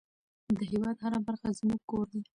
د هېواد هره برخه زموږ کور دی.